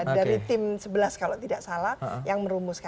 dari tim sebelas kalau tidak salah yang merumuskan